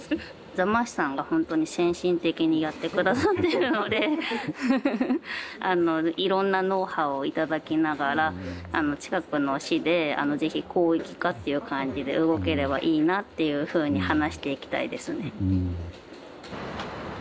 座間市さんがほんとに先進的にやって下さってるのでいろんなノウハウを頂きながら近くの市で是非広域化っていう感じで動ければいいなっていうふうに話していきたいですね。